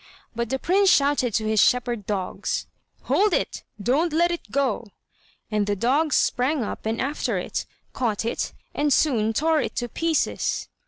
But the prince shouted to his shepherd dogs: "Hold it! don't let it go!" and the dogs sprang up and after it, caught it, and soon tore it to pieces.